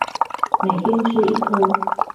每天吃一顆